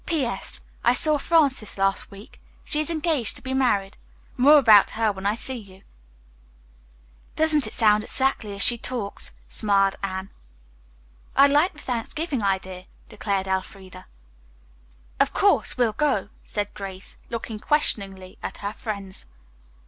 "P. S. I saw Frances last week. She is engaged to be married. More about her when I see you." "Doesn't it sound exactly as she talks?" smiled Anne. "I like the Thanksgiving idea," declared Elfreda. "Of course, we'll go," said Grace, looking questioningly at her friends.